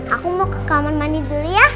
aku mau ke kamar mandi beli ya